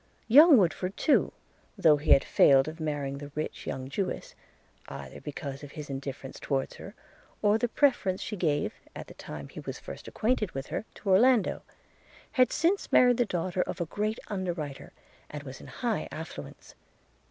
Young Woodford too, though he had failed of marrying the rich young Jewess, either because of his indifference towards her, or of the preference she gave at the time he was first acquainted with her to Orlando, had since married the daughter of a great underwriter, and was in high affluence.